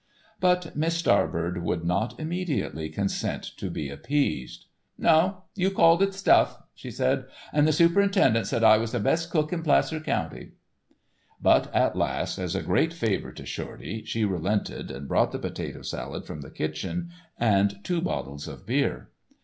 But Miss Starbird would not immediately consent to be appeased. "No, you called it stuff," she said, "an' the superintendent said I was the best cook in Placer County." But at last, as a great favour to Shorty, she relented and brought the potato salad from the kitchen and two bottles of beer.